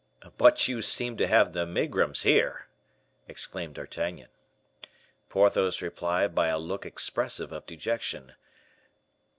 "But you seem to have the megrims here!" exclaimed D'Artagnan. Porthos replied by a look expressive of dejection.